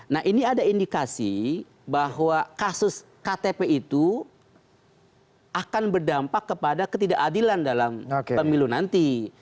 nah ini ada indikasi bahwa kasus ktp itu akan berdampak kepada ketidakadilan dalam pemilu nanti